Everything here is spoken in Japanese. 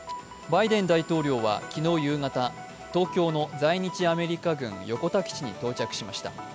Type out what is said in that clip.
バイデン大統領は昨日夕方、東京の在日アメリカ軍・横田基地に到着しました。